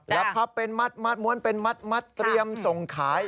รับพับเป็นมัดมัดม้วนเป็นมัดมัดเตรียมส่งขาย